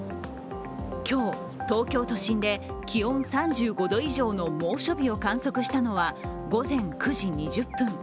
今日、東京都心で気温３５度以上の猛暑日を観測したのは午前９時２０分。